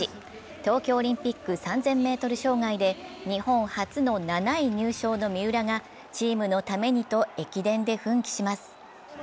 東京オリンピック３０００ｍ障害で日本初の７位入賞の三浦がチームのためにと駅伝で奮起します。